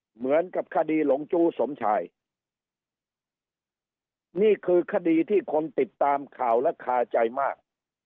เหมือนกับคดีหลงจู้สมชายนี่คือคดีที่คนติดตามข่าวและคาใจมาก